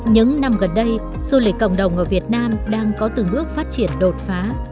những năm gần đây du lịch cộng đồng ở việt nam đang có từng bước phát triển đột phá